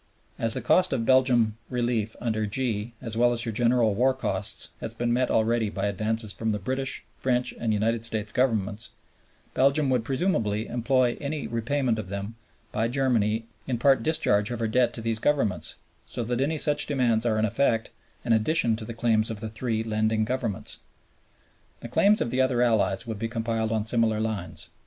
As the cost of Belgian Belief under (g), as well as her general war costs, has been met already by advances from the British, French, and United States Governments, Belgium would presumably employ any repayment of them by Germany in part discharge of her debt to these Governments, so that any such demands are, in effect, an addition to the claims of the three lending Governments. The claims of the other Allies would be compiled on similar lines.